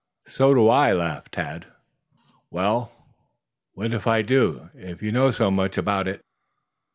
"So do I," laughed Tad. "Well, what'll I do, if you know so much about it?"